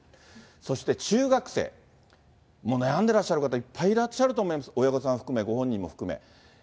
そして中学生、もう悩んでらっしゃる方、いっぱいいらっしゃると思います、親御さん含め、ご本人含め。